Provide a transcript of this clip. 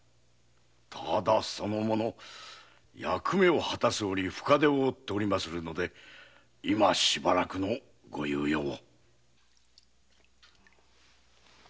ただその者役目を果たす折深手を負っておりまするので今しばらくのご猶予を。